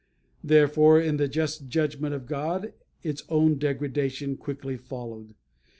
Therefore, in the just judgment of God, its own degradation quickly followed.